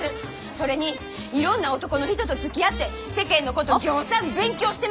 それにいろんな男の人とつきあって世間のことぎょうさん勉強してますよ！